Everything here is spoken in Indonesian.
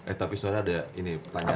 eh tapi soalnya ada ini pertanyaan